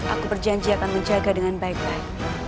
aku berjanji akan menjaga dengan baik baik